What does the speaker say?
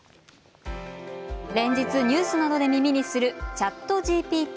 連日ニュースなどで耳にするＣｈａｔＧＰＴ。